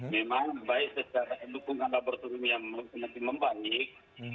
memang baik secara dukungan laboratorium yang semakin membaik